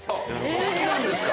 お好きなんですか？